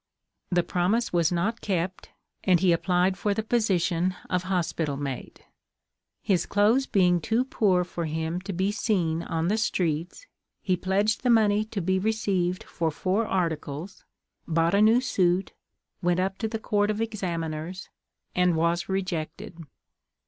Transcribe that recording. The promise was not kept, and he applied for the position of hospital mate. His clothes being too poor for him to be seen on the streets, he pledged the money to be received for four articles, bought a new suit, went up to the court of examiners, and was rejected!